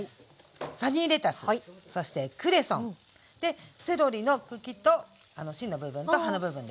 サニーレタスそしてクレソン。でセロリの茎と芯の部分と葉の部分ですね。